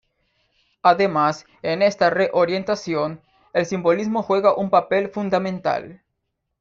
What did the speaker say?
Además, en esta re orientación, el simbolismo juega un papel fundamental.